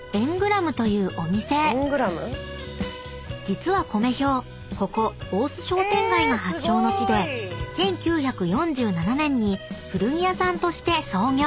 ［実はコメ兵ここ大須商店街が発祥の地で１９４７年に古着屋さんとして創業］